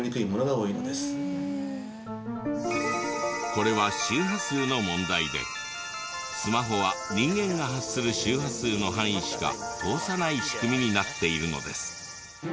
これは周波数の問題でスマホは人間が発する周波数の範囲しか通さない仕組みになっているのです。